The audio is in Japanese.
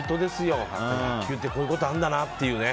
野球ってこういうことあるんだなってね。